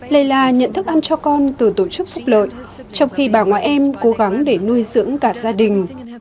lây lan nhận thức ăn cho con từ tổ chức phúc lợi trong khi bà ngoại em cố gắng để nuôi dưỡng cả gia đình